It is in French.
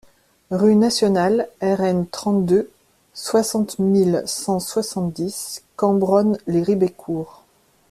Rue Nationale Rn trente-deux, soixante mille cent soixante-dix Cambronne-lès-Ribécourt